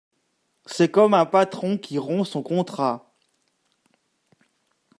C’est comme un patron qui rompt son contrat.